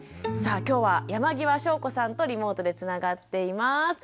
さあ今日は山際翔子さんとリモートでつながっています。